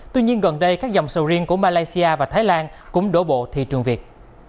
tuy nhiên gần đây các dòng sầu riêng của malaysia và thái lan cũng đổ bộ thị trường việt